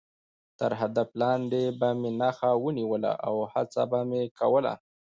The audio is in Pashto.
تر هدف لاندې به مې نښه ونیوله او هڅه به مې کوله.